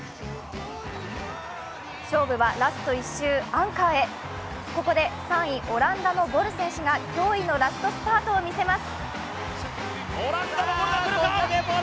勝負はラスト１周アンカーへここで３位・オランダのボル選手が驚異のラストスパートを見せます。